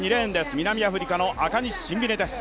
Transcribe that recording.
南アフリカのアカニ・シンビネです。